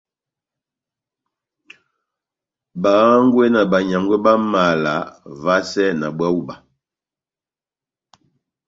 Bá hángwɛ́ na banyángwɛ bá mala vasɛ na búwa hú iba